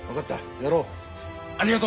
やろう。